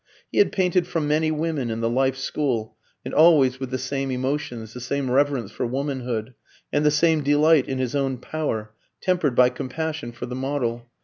He had painted from many women in the life school, and always with the same emotions, the same reverence for womanhood, and the same delight in his own power, tempered by compassion for the model.